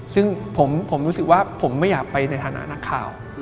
ซึ่งผมรู้สึกว่าผมไม่อยากไปในฐานะนักข่าว